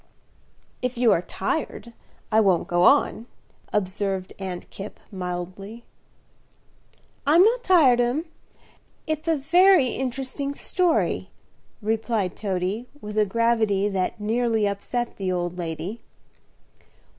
"If you are tired I won't go on," observed Aunt Kipp, mildly. "I'm not tired, 'm; it's a very interesting story," replied Toady, with a gravity that nearly upset the old lady.